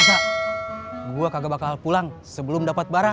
besok gua kagak bakal putus asa